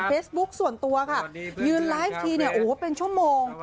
ส่วนตัวค่ะยืนไลฟ์ทีเนี่ยโอ้โหเป็นชั่วโมง